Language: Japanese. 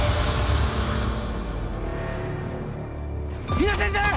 比奈先生！